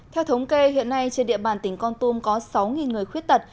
theo thống kê hiện nay trên địa bàn tỉnh con tum có sáu người khuyết tật